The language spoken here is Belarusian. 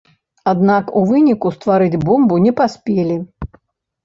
Аднак у выніку стварыць бомбу не паспелі.